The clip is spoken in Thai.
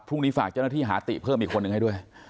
พรุ่งนี้ฝากเจ้าหน้าที่หาติเพิ่มอีกคนนึงให้ด้วย